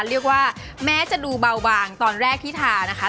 เรียกว่าแม้จะดูเบาบางตอนแรกที่ทานะคะ